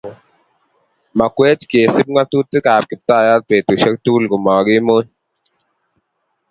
Makwech kesup ng'atutik ab Kiptayat betusiek tukul kumaking'uny